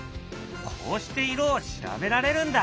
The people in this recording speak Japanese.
こうして色を調べられるんだ。